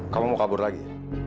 kamu mau kabur lagi